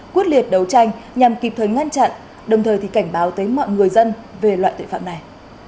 quyết liệt đấu tranh nhằm kịp thời ngăn chặn đồng thời thì cảnh báo tới mọi người dân về loại tội phạm này